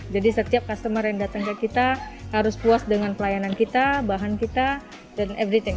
jadi setiap customer yang datang ke kita harus puas dengan pelayanan kita bahan kita dan everything